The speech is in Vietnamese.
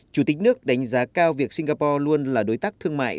chủ tịch nước đánh giá cao việc singapore luôn là đối tác thương mại